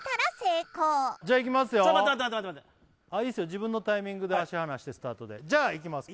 自分のタイミングで足離してスタートでじゃあいきます